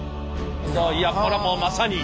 いやこらもうまさに。